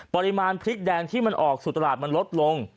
ปริมาณพริกแดงที่มันออกสู่ตลาดมันลดลง